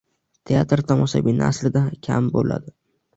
Teatr tomoshabini aslida kam bo‘ladi.